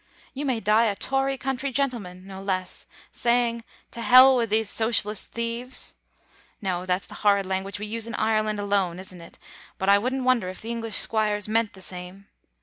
You may die a Tory country gentleman, no less, saying, 'To hell with these Socialist thieves' no, that's the horrid language we use in Ireland alone isn't it, but I wouldn't wonder if the English squires meant the same.